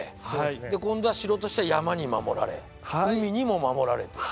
で今度は城としては山に守られ海にも守られてる。